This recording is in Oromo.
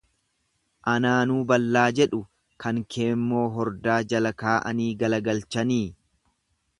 Anaanuu ballaa jedhuu kan keemmoo hordaa jala kaa'anii galagalchanii.